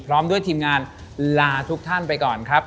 พร้อมด้วยทีมงานลาทุกท่านไปก่อนครับ